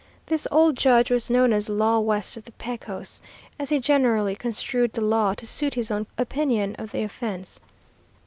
This old judge was known as 'Law west of the Pecos,' as he generally construed the law to suit his own opinion of the offense.